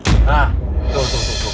hah tuh tuh tuh